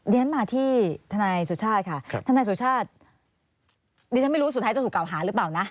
เรียนมาที่ทนายสุชาติค่ะทนายสุชาติดิฉันไม่รู้สุดท้ายจะถูกกล่าวหาหรือเปล่านะ